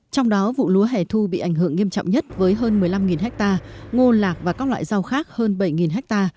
trong đó vụ lúa hẻ thu bị ảnh hưởng nghiêm trọng nhất với hơn một mươi năm ha ngô lạc và các loại rau khác hơn bảy ha